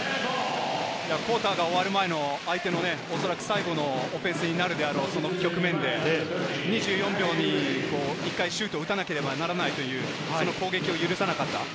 クオーターが終わる前の相手の最後のオフェンスになるであろう、その局面で２４秒のうちに１回、シュートを打たなければならないという攻撃を許さなかった。